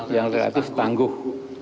yang relatif tangguh